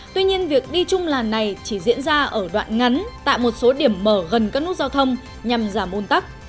tuy nhiên việc đi chung làn này chỉ diễn ra ở đoạn ngắn tại một số điểm mở gần các nút giao thông nhằm giảm ôn tắc